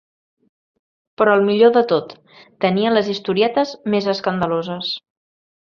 Però el millor de tot, tenia les historietes més escandaloses.